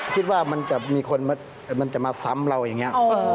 คิดว่ามันจะมีคนมันจะมาซ้ำเราอย่างนี้